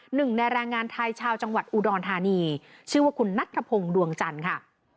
หนึ่งในแรงงานไทยชาวจังหวัดอุดรธานีชื่อว่าคุณนัทธพงศ์ดวงจันทร์ค่ะ